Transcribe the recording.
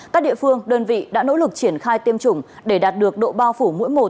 các địa phương đơn vị đã nỗ lực triển khai tiêm chủng để đạt được độ bao phủ mỗi một